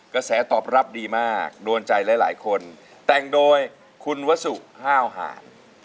กระแสตอบรับดีมากโดนใจหลายคนแต่งโดยคุณวสุห้าวหาร